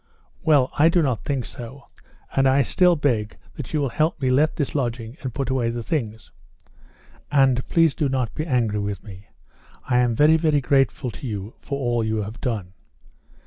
"Well, I do not think so. And I still beg that you will help me let this lodging and put away the things. And please do not be angry with me. I am very, very grateful to you for all you have done."